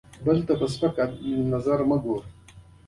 باز خپل ښکار ته وار کوي، خبرداری نه ورکوي